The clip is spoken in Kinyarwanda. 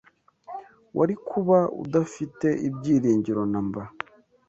wari kuba udafite ibyiringiro na mba!